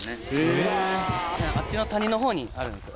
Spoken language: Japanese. あっちの谷の方にあるんですよ。